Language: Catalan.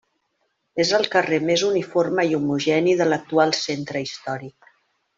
És el carrer més uniforme i homogeni de l'actual Centre Històric.